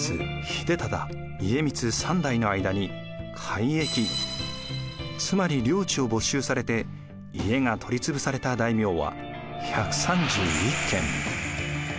秀忠家光３代の間に改易つまり領地を没収されて家が取り潰された大名は１３１件。